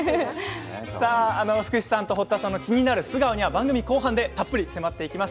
福士さんと堀田さんの気になる素顔は番組後半でたっぷり迫っていきます。